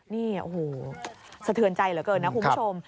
นี่โอ้โหสะเทือนใจเหลือเกินนะคุณผู้ชม